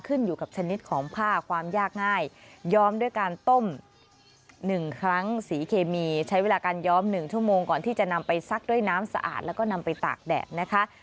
ขึ้นอยู่กับชนิดของผ้าความยากง่ายย้อมด้วยการต้ม๑ครั้งสีเคมีใช้เวลาการย้อม๑ชั่วโมงก่อนที่จะนำไปซักด้วยน้ำสะอาดแล้วก็นำไปตากแดดนะคะ